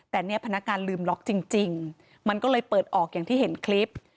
แต่เนี่ยพนักงานลืมล็อกจริงมันก็เลยเปิดออกอย่างที่เห็นคลิป